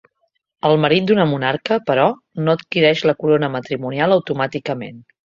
El marit d'una monarca, però, no adquireix la corona matrimonial automàticament.